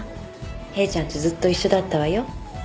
ヘイちゃんとずっと一緒だったわよ。